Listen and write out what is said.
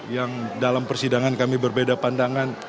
yang dalam persidangan kami berbeda pandangan